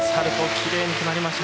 きれいに決めました。